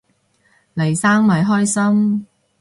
黎生咪開心